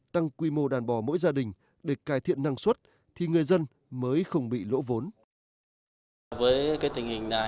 tăng quy mô đàn bò mỗi gia đình để cải thiện năng suất thì người dân mới không bị lỗ vốn